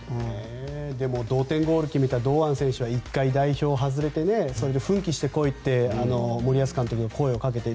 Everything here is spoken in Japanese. でも同点ゴールを決めた堂安選手は１回、代表を外れてそれで奮起してこいって森保監督に声をかけて。